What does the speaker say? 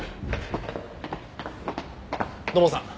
土門さん。